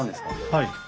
はい。